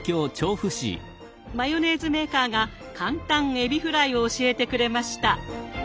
マヨネーズメーカーが簡単えびフライを教えてくれました。